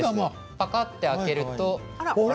パカっと開けると。